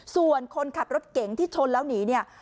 ส่วนคนขับรถเก๋งที่ชนแล้วหนีเนี่ย